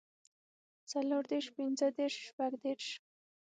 څلور دېرش پنځۀ دېرش شپږ دېرش